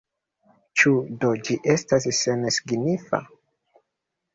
Ĉu do ĝi estas sensignifa?